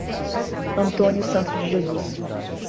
Antônio Santos de Jesus